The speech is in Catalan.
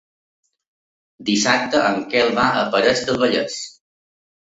Dissabte en Quel va a Parets del Vallès.